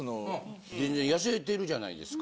全然痩せてるじゃないですか。